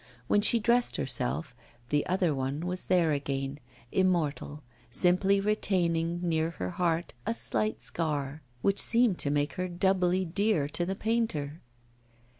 When she dressed herself, 'the other one' was there again, immortal, simply retaining near her heart a slight scar, which seemed to make her doubly dear to the painter.